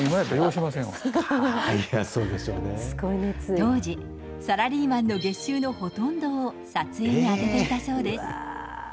当時、サラリーマンの月収のほとんどを撮影に充てていたそうです。